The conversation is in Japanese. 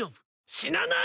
死なない！